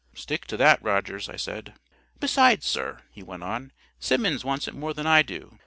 "Stick to that, Rogers," I said. "Besides, sir," he went on, "Simmons wants it more than I do.